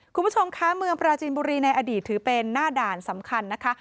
คุณผู้ชมคะเมืองปราจีนบุรีในอดีตถือเป็นหน้าด่านสำคัญนะคะ